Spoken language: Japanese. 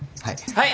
はい。